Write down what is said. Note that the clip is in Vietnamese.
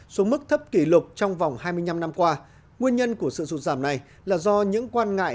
xuống mức thấp kỷ lục trong vòng hai mươi năm năm qua nguyên nhân của sự sụt giảm này là do những quan ngại